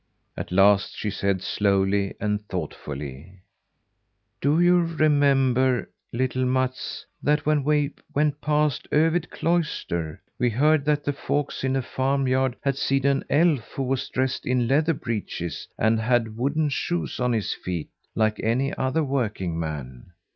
At last she said, slowly and thoughtfully: "Do you remember, little Mats, that when we went past Övid Cloister, we heard that the folks in a farmyard had seen an elf who was dressed in leather breeches, and had wooden shoes on his feet, like any other working man?